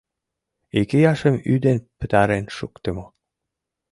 Икияшым ӱден пытарен шуктымо.